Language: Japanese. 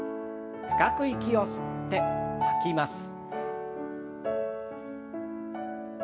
深く息を吸って吐きます。